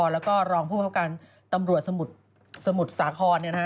แล้วก็รองผู้ประคับการตำรวจสมุทรสาคร